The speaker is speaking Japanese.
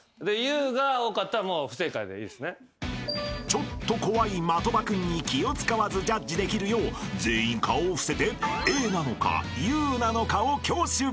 ［ちょっと怖い的場君に気を使わずジャッジできるよう全員顔を伏せて「ａ」なのか「ｕ」なのかを挙手］